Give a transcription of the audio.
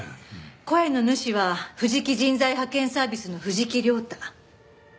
声の主は藤木人材派遣サービスの藤木亮太。